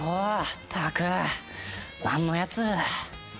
ったく蘭のやつ。